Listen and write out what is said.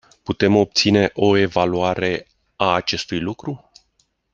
Putem obține o evaluare a acestui lucru?